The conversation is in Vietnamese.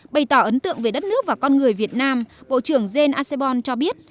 bày tỏ ấn tượng về đất nước và con người việt nam bộ trưởng gen asebon cho biết